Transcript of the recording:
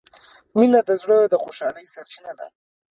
مینه د زړه د خوشحالۍ سرچینه ده.